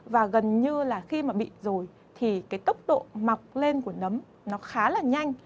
và gần như là khi mà bị rồi thì cái tốc độ mọc lên của nấm nó khá là nhanh